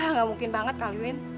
nggak mungkin banget kali win